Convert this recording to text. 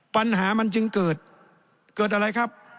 ปัญหามันจึงเกิดเกิดอะไรครับ